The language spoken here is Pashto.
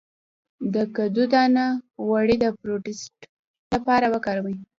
د کدو دانه غوړي د پروستات لپاره وکاروئ